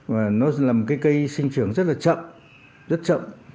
và nó là một cái cây sinh trưởng rất là chậm rất chậm